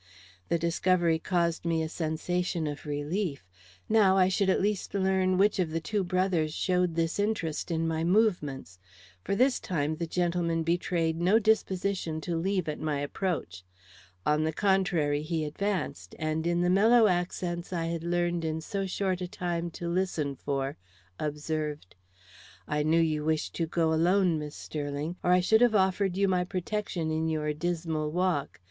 The discovery caused me a sensation of relief. Now I should at least learn which of the two brothers showed this interest in my movements, for this time the gentleman betrayed no disposition to leave at my approach; on the contrary, he advanced, and in the mellow accents I had learned in so short a time to listen for, observed: "I knew you wished to go alone, Miss Sterling, or I should have offered you my protection in your dismal walk.